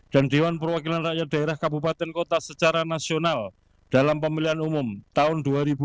dan dewan perwakilan rakyat daerah kabupaten kota secara nasional dalam pemilihan umum tahun dua ribu dua puluh empat